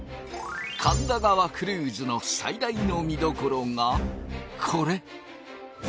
神田川クルーズの最大の見どころがこれ。